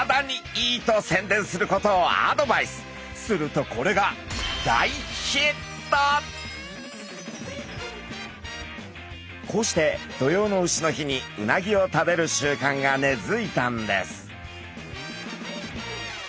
するとこれがこうして土用の丑の日にうなぎを食べる習慣が根づいたんです。